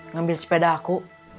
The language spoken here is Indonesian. ngambil sepeda aku